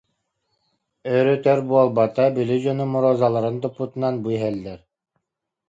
Өр-өтөр буолбата, били дьонум розаларын туппутунан бу иһэллэр